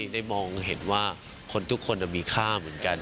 ได้มองเห็นว่าคนทุกคนมีค่าเหมือนกัน